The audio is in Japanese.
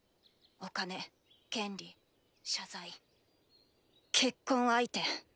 お金権利謝罪結婚相手。